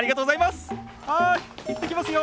はい行ってきますよ。